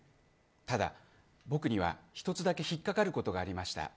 ただ僕には、一つだけ引っ掛かることがありました。